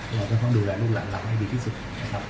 เราจะต้องดูแลลูกหลักรับให้ดีที่สุดครับ